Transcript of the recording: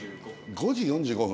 ５時４５分？